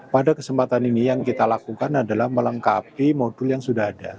pada kesempatan ini yang kita lakukan adalah melengkapi modul yang sudah ada